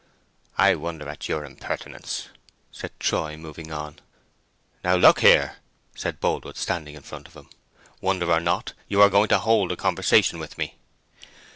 "I wonder at your impertinence," said Troy, moving on. "Now look here," said Boldwood, standing in front of him, "wonder or not, you are going to hold a conversation with me."